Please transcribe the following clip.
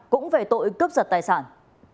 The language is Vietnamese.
cũng về tội cướp giật tài sản